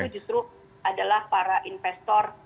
justru adalah para investor